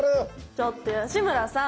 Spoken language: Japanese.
ちょっと吉村さん